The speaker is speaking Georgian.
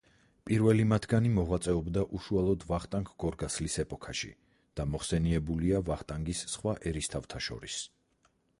პირველი მათგანი მოღვაწეობდა უშუალოდ ვახტანგ გორგასლის ეპოქაში და მოხსენიებულია ვახტანგის სხვა ერისთავთა შორის.